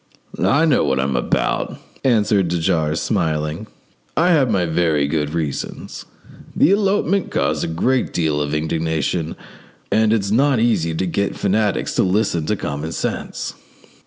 "I know what I'm about," answered de Jars, smiling; "I have my very good reasons. The elopement caused a great deal of indignation, and it's not easy to get fanatics to listen to common sense.